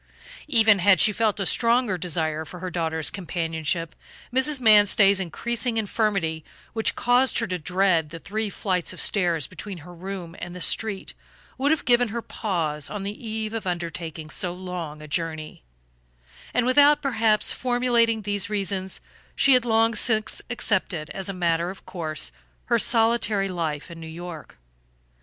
Even had she felt a stronger desire for her daughter's companionship, Mrs. Manstey's increasing infirmity, which caused her to dread the three flights of stairs between her room and the street, would have given her pause on the eve of undertaking so long a journey; and without perhaps, formulating these reasons she had long since accepted as a matter of course her solitary life in New York.